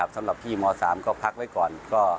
สำหรับพี่ม๓ก็พักไว้ก่อน